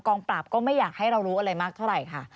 ปราบก็ไม่อยากให้เรารู้อะไรมากเท่าไหร่ค่ะ